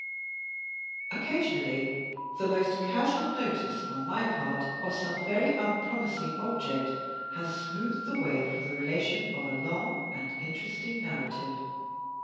Occasionally the most casual notice, on my part, of some very unpromising object has smoothed the way for the relation of a long and interesting narrative.